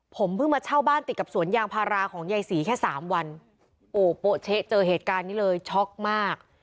ผมเพิ่งมาเช่าบ้านติดกับสวนยางพาราของยายศรีแค่สามวันโอ้โป๊เช๊ะเจอเหตุการณ์นี้เลยช็อกมาก